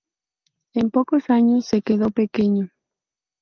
En pocos años se quedó pequeño.